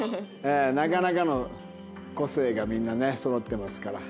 なかなかの個性がみんなねそろってますから。